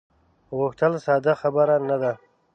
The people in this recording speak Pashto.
غوښتل ساده خبره نه ده.